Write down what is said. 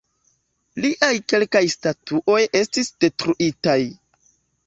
Liaj kelkaj statuoj estis detruitaj.